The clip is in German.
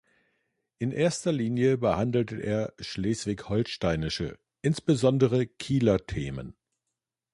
In erster Linie behandelte er Schleswig-Holsteinische, insbesondere Kieler Themen.